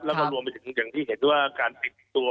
แล้วก็รวมไปถึงอย่างที่เห็นว่าการปิดตัว